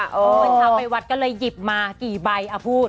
เฮ้ยเค้าไปวัดก็เลยหยิบมากี่ใบอ่ะพูด